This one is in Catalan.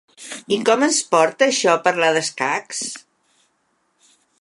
I com ens porta això a parlar d’escacs?